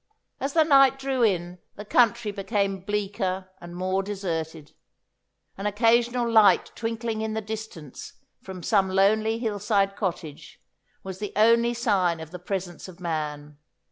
As the night drew in the country became bleaker and more deserted. An occasional light twinkling in the distance from some lonely hillside cottage was the only sign of the presence of man.